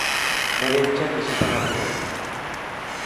Bere etxean bisitan hartu gaitu.